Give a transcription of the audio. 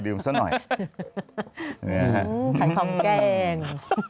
คงสำแกล้ง